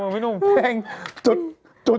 มันกี่จุด